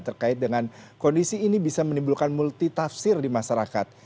terkait dengan kondisi ini bisa menimbulkan multitafsir di masyarakat